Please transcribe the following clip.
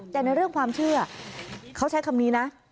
แต่ในเรื่องความเชื่อเขาใช้คำนี้นะ